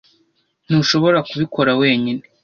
ntushobora kubikora wenyine